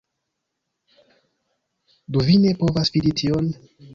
Ĉu vi ne povas vidi tion?!